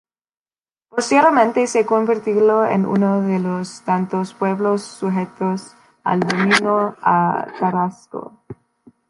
Posteriormente se convirtió en uno de los tantos pueblos sujetos al dominio tarasco.